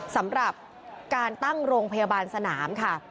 สำหรับการตั้งโรงพยาบาลสนามค่ะ